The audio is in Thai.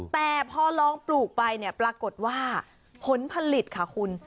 แต่พอลองปลูกไปเนี่ยปรากฏว่าผลผลิตค่ะคุณ